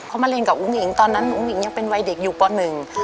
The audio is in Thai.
เขามาเรียนกับอุ้งอิ๋งตอนนั้นอุ้งอิ๋งยังเป็นวัยเด็กอยู่ปหนึ่ง